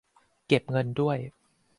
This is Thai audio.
เก็บเงินด้วย